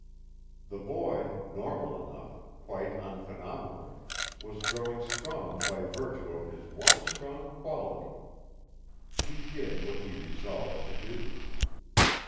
The boy, normal enough, quite unphenomenal, was growing strong by virtue of his one strong quality: he did what he resolved to do.